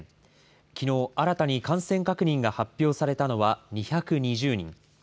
きのう、新たに感染確認が発表されたのは２２０人。